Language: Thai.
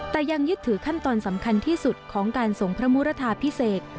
แต่ยังยึดถือขั้นตอนสำคัญที่สุดของการส่งพระมุรทาพิเศษ